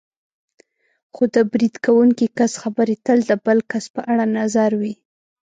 خو د برید کوونکي کس خبرې تل د بل کس په اړه نظر وي.